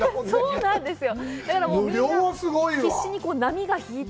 そうなんですよ。